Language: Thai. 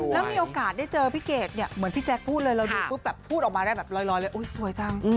แล้วมีโอกาสได้เจอพี่เกดเหมือนพี่แจ๊คพูดเลยพูดออกมาแบบรอยเลย